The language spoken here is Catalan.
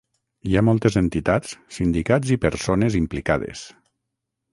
Hi ha moltes entitats, sindicats i persones implicades.